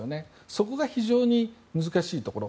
そこが非常に難しいところ。